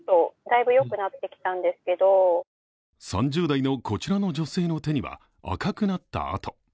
３０代のこちらの女性の手には赤くなった跡。